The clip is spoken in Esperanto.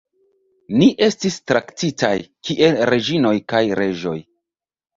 Ni estis traktitaj kiel reĝinoj kaj reĝoj